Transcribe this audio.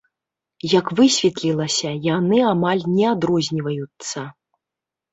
Як высветлілася, яны амаль не адрозніваюцца.